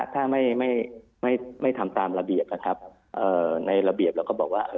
ถ้าไม่ทำตามระเบียบไม่รับการที่เราก็บอกว่า